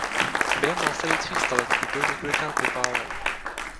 Během následujících staletí byl několikrát vypálen.